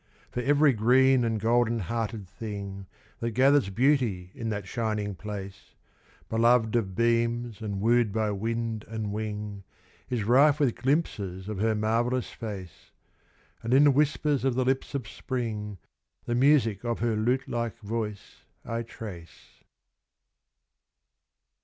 For every green and golden hearted thing That gathers beauty in that shining place, Beloved of beams and wooed by wind and wing, Is rife with glimpses of her marvellous face; And in the whispers of the lips of Spring The music of her lute like voice I trace.